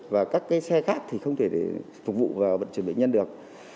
và các xe khác thì không thể phục vụ vào vận chuyển bệnh nhân được